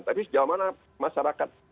tapi sejauh mana masyarakat